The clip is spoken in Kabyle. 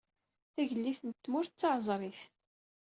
Tagellidt n tmurt d taɛezrit.